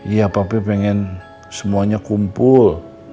iya papi pengen semuanya kumpul